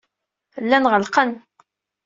Llan ɣelqen.